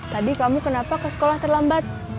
tadi kamu kenapa ke sekolah terlambat